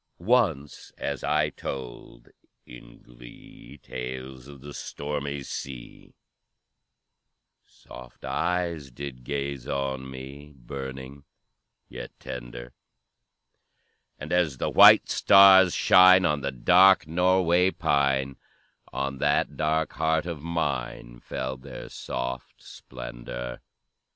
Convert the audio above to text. "Once as I told in glee Tales of the stormy sea, Soft eyes did gaze on me, Burning yet tender; And as the white stars shine On the dark Norway pine, On that dark heart of mine Fell their soft splendor.